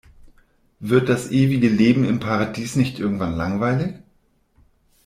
Wird das ewige Leben im Paradies nicht irgendwann langweilig?